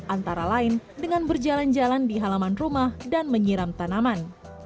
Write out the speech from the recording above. antara lain dengan berjalan jalan di halaman rumah dan menyiram tanaman